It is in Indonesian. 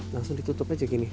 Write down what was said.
langsung ditutup aja gini